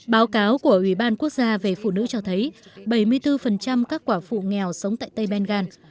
báo cáo của ủy ban quốc gia về phụ nữ cho thấy bảy mươi bốn các quả phụ nghèo sống tại tây bengal